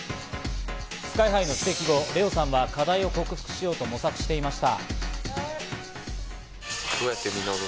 ＳＫＹ−ＨＩの指摘後、レオさんは課題を克服しようと模索していました。